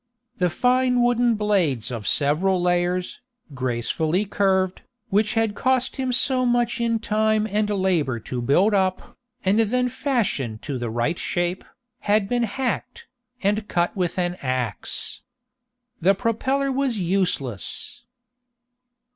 The fine wooden blades of several layers, gracefully curved, which had cost him so much in time and labor to build up, and then fashion to the right shape, had been hacked, and cut with an axe. The propeller was useless!